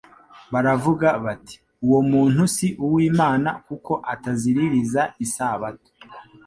baravuga bati: Uwo muntu si uw'Imana kuko ataziririza isabato.»